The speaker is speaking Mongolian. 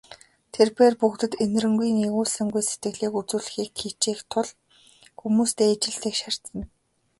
Тэр бээр бүгдэд энэрэнгүй, нигүүлсэнгүй сэтгэлийг үзүүлэхийг хичээх тул хүмүүстэй ижил тэгш харьцана.